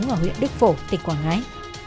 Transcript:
sống ở huyện đức phổ tỉnh quảng ngãi